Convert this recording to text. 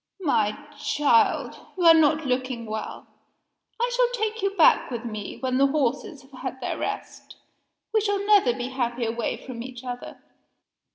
My child! you are not looking well. I shall take you back with me, when the horses have had their rest. We shall never be happy away from each other."